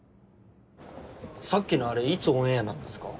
さっきのアレいつオンエアなんですか？